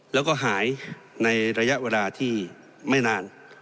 แล้วก็หายในระยะเวลาที่ไม่นาน